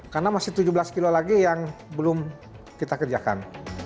karena masih tujuh belas kilo lagi yang belum kita kerjakan